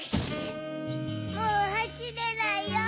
もうはしれないよ！